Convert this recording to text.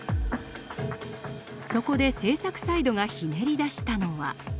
そこで製作サイドがひねり出したのは？